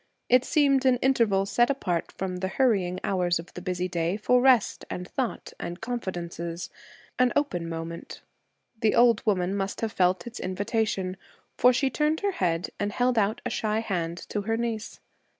It seemed an interval set apart from the hurrying hours of the busy day for rest and thought and confidences an open moment. The old woman must have felt its invitation, for she turned her head and held out a shy hand to her niece.